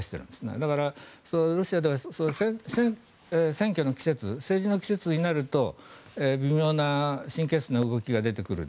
だから、ロシアでは選挙の季節、政治の季節になると微妙な神経質な動きが出てくる。